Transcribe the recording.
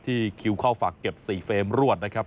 คิวเข้าฝากเก็บ๔เฟรมรวดนะครับ